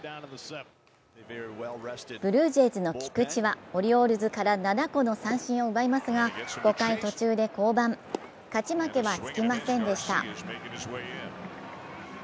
ブルージェイズの菊池はオリオールズから７個の三振を奪いますが５回途中で降板、勝ち負けはつきませんでした。